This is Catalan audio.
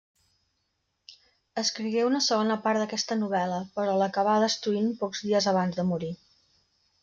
Escrigué una segona part d'aquesta novel·la, però l'acabà destruint pocs dies abans de morir.